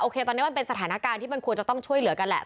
ตอนนี้มันเป็นสถานการณ์ที่มันควรจะต้องช่วยเหลือกันแหละ